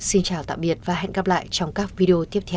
xin chào tạm biệt và hẹn gặp lại trong các video tiếp theo